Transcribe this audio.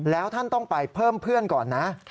แล้วท่านต้องไปเพิ่มเพื่อนก่อนนะ